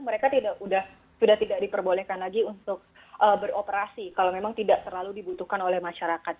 mereka sudah tidak diperbolehkan lagi untuk beroperasi kalau memang tidak terlalu dibutuhkan oleh masyarakat